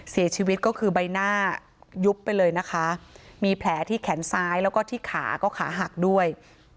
เสียชีวิตก็คือใบหน้ายุบไปเลยนะคะมีแผลที่แขนซ้ายแล้วก็ที่ขาก็ขาหักด้วย